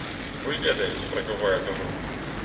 Вы ведаеце, пра каго я кажу.